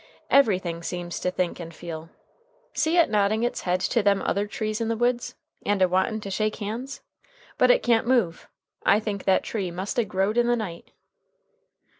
Everything seems to think and feel. See it nodding its head to them other trees in the woods? and a wantin' to shake hands! But it can't move. I think that tree must a growed in the night."